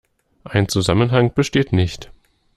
Ein Zusammenhang besteht nicht.